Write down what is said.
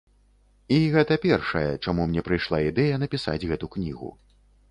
І гэта першае, чаму мне прыйшла ідэя напісаць гэту кнігу.